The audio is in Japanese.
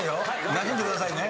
なじんでくださいね。